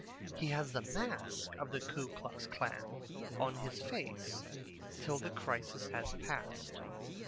He has the mask of the Ku Klux Klan on his face till the crisis has passed.